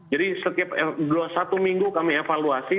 jadi setiap satu minggu kami evaluasi